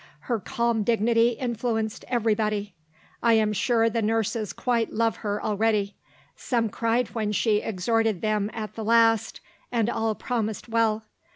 Her calm dignity influenced everybody. I am sure the nurses quite love her already. Some cried when she exhorted them at the last, and all promised well.